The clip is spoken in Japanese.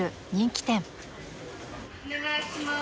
・お願いします。